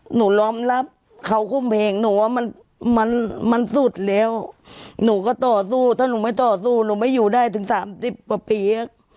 หนูล้อมรับเขาคุ้มเพลงหนูว่ามันมันสุดแล้วหนูก็ต่อสู้ถ้าหนูไม่ต่อสู้หนูไม่อยู่ได้ถึงสามสิบกว่าปี